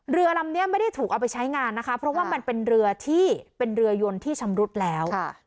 เรือลำนี้ไม่ได้ถูกเอาไปใช้งานนะคะเพราะว่ามันเป็นเรือที่เป็นเรือยนที่ชำรุดแล้ว